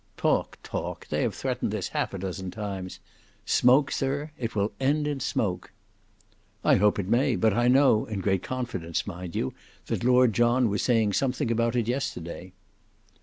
"Talk, talk. They have threatened this half a dozen times. Smoke, sir; it will end in smoke." "I hope it may; but I know, in great confidence mind you, that Lord John was saying something about it yesterday."